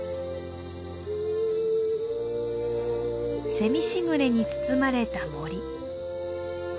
せみ時雨に包まれた森。